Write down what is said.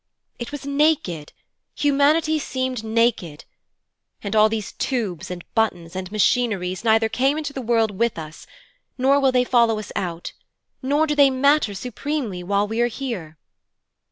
It was naked, humanity seemed naked, and all these tubes and buttons and machineries neither came into the world with us, nor will they follow us out, nor do they matter supremely while we are here.